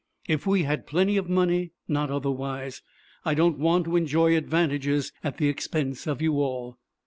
"If we had plenty of money, not otherwise. I don't want to enjoy advantages at the expense of you all."